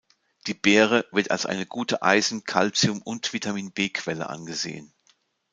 Die Beere wird als eine gute Eisen-, Kalzium- und Vitamin-B-Quelle angesehen.